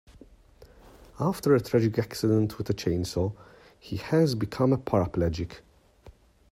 After a tragic accident with a chainsaw he has become a paraplegic.